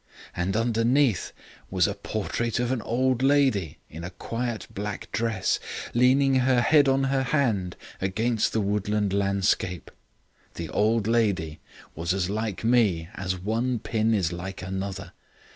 And underneath was a portrait of an old lady in a quiet black dress, leaning her head on her hand against the woodland landscape. The old lady was as like me as one pin is like another.